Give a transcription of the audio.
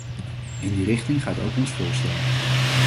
In die richting gaat ook ons voorstel.